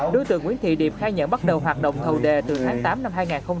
đối tượng nguyễn thị điệp khai nhận bắt đầu hoạt động thầu đề từ tháng tám năm hai nghìn hai mươi ba